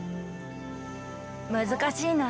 難しいな。